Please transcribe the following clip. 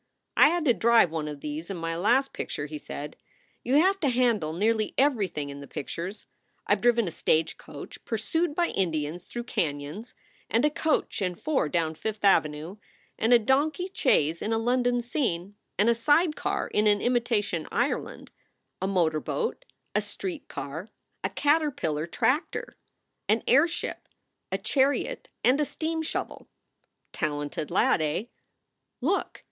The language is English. "I had to drive one of these in my last picture," he said. "You have to handle nearly everything in the pictures. I ve driven a stagecoach pursued by Indians through canons; and a coach and four down Fifth Avenue; and a donkey chaise in a London scene; and a side car in an imitation Ireland, a motor boat, a street car, a caterpillar tractor, an airship, a chariot, and a steam shovel. Talented lad, eh ? Look